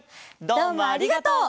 どうもありがとう！